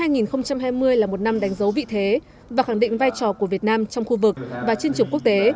năm hai nghìn hai mươi là một năm đánh dấu vị thế và khẳng định vai trò của việt nam trong khu vực và trên trường quốc tế